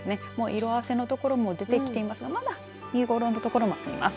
色あせの所も出てきていますがまだ見頃の所もあります。